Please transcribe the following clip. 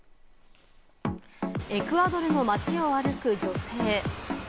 エクアドルの街を歩く女性。